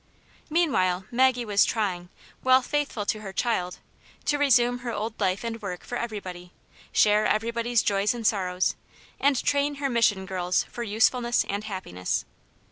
Meanwhile Maggie was trying, while faithful to her child, to resume her old life and work for every body, share everybody's joys and sorrows, and train her Mission girls for usefulness and happiness.